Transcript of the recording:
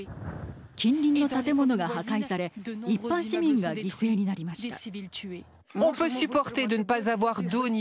近隣の建物が破壊され一般市民が犠牲になりました。